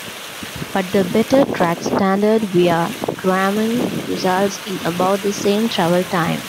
But the better track standard via Drammen results in about the same travel time.